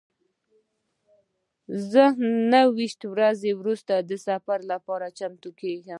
زه نهه ویشت ورځې وروسته د سفر لپاره چمتو کیږم.